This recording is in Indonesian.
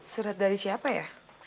surat dari siapa ya